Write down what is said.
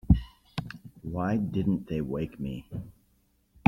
Why didn't they wake me?